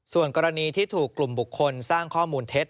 ส่วนกรณีที่ถูกกลุ่มบุคคลสร้างข้อมูลเท็จ